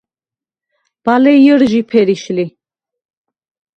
ბალე ჲჷრჟი ფერიშ ლი.